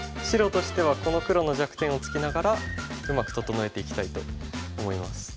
白としてはこの黒の弱点をつきながらうまく整えていきたいと思います。